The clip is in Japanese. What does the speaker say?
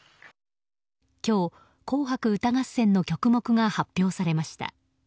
今日、「紅白歌合戦」の曲目が発表されました。